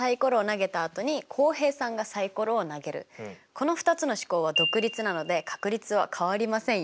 この２つの試行は「独立」なので確率は変わりませんよ。